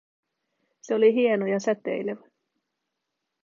Se oli hieno ja säteilevä.